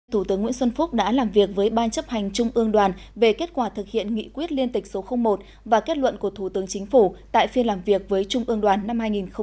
thủ tướng nguyễn xuân phúc đã làm việc với ban chấp hành trung ương đoàn về kết quả thực hiện nghị quyết liên tịch số một và kết luận của thủ tướng chính phủ tại phiên làm việc với trung ương đoàn năm hai nghìn một mươi chín